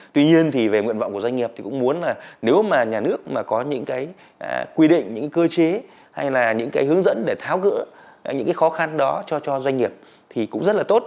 tuy nhiên thì về nguyện vọng của doanh nghiệp thì cũng muốn là nếu mà nhà nước mà có những cái quy định những cơ chế hay là những cái hướng dẫn để tháo gỡ những cái khó khăn đó cho doanh nghiệp thì cũng rất là tốt